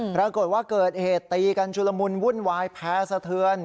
ปรากฏว่าเกิดเหตุตีกันชุลมุนวุ่นวายแพ้สะเทือน